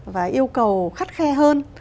và yêu cầu khắt khe hơn